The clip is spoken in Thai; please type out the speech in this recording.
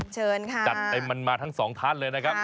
เชิญค่ะจัดเต็มมันมาทั้งสองท่านเลยนะครับ